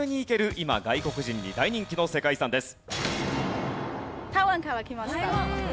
今外国人に大人気の世界遺産です。